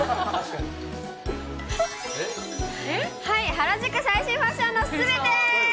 原宿最新ファッションのすべて。